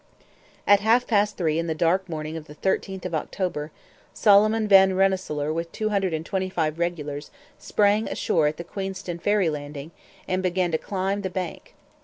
At half past three in the dark morning of the 13th of October, Solomon Van Rensselaer with 225 regulars sprang ashore at the Queenston ferry landing and began to climb the bank.